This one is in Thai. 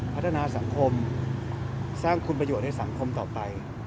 พัฒนาสังคมสร้างคุณประโยชน์ให้สังคมต่อไป